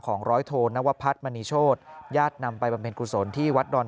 ร้อยโทนวพัฒน์มณีโชธญาตินำไปบำเพ็ญกุศลที่วัดดอน